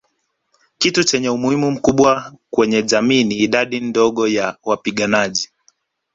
Kitu chenye umuhimu mkubwa kwenye jamii ni idadi ndogo ya wapiganaji